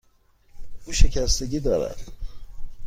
او شکستگی دارد.